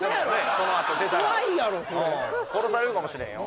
そのあと出たら殺されるかもしれんよ